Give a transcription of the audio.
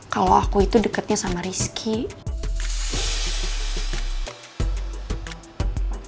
kalau aku itu dekatnya sama rizky